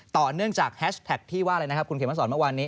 ต่อเนื่องจากแฮชแท็กที่ว่าอะไรนะครับคุณเขมสอนเมื่อวานนี้